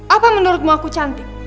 apa menurutmu aku cantik